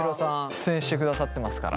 出演してくださってますから。